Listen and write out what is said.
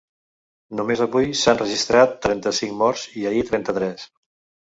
Només avui s’han registrat trenta-cinc morts i ahir, trenta-tres.